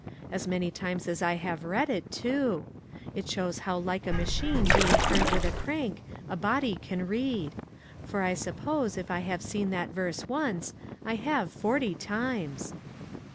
As many times as I have read it, too ! It shows how like a machine being turned with a crank a body can read; for I suppose if I have seen that verse once,' I have forty times."